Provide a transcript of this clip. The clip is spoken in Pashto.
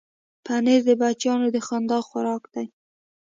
پنېر د بچیانو د خندا خوراک دی.